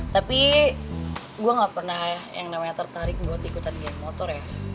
tapi gue gak pernah yang namanya tertarik buat ikutan geng motor ya